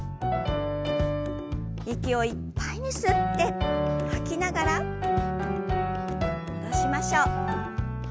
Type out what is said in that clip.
息をいっぱいに吸って吐きながら戻しましょう。